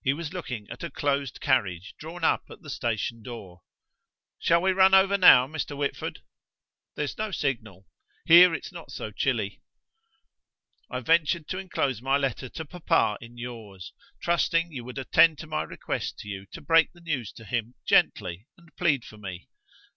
He was looking at a closed carriage drawn up at the station door. "Shall we run over now, Mr. Whitford?" "There's no signal. Here it's not so chilly." "I ventured to enclose my letter to papa in yours, trusting you would attend to my request to you to break the news to him gently and plead for me."